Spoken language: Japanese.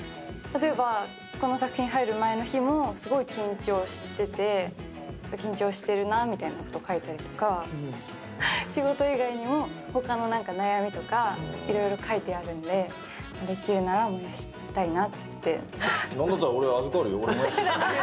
例えばこの作品入る前の日もすごい緊張してて、緊張してるなみたいなこと書いたりとか仕事以外にも他の悩みとかいろいろ書いてあるので、できるなら燃やしたいなって思ってます。